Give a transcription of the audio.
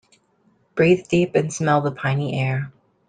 Breathe deep and smell the piny air.